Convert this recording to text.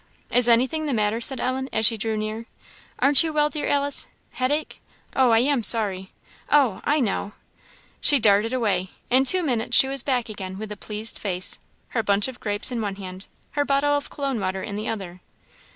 "Is anything the matter?" said Ellen, as she drew near; "aren't you well, dear Alice? Headache? oh, I am sorry. Oh! I know" She darted away. In two minutes she was back again with a pleased face, her bunch of grapes in one hand, her bottle of Cologne water in the other.